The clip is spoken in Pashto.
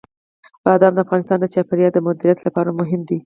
بادام د افغانستان د چاپیریال د مدیریت لپاره مهم دي.